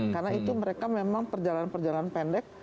karena itu mereka memang perjalanan perjalanan pendek